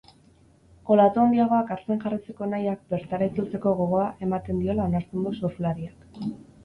Olatu handiagoak hartzen jarraitzeko nahiak bertara itzultzeko gogoa ematen diola onartzen du surflariak.